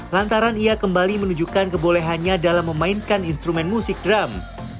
lantaran ia kembali menunjukkan kebolehannya dalam memainkan instrumen musik drum